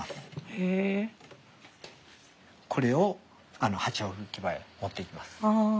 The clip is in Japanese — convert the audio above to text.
これをハチ置き場へ持っていきます。